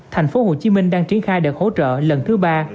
thành phố hồ chí minh đang triển khai đợt hỗ trợ lần thứ ba